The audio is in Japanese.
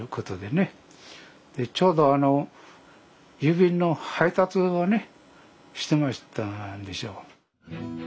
ちょうどあの郵便の配達をねしてましたんでしょう。